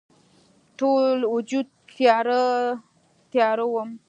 ټول وجود تیاره، تیاره وم